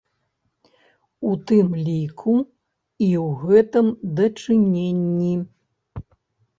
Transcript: У тым ліку, і ў гэтым дачыненні.